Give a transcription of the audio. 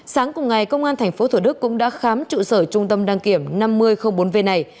sáng cùng ngày công an tp thủ đức cũng đã khám trụ sở trung tâm đăng kiểm năm mươi bốn v này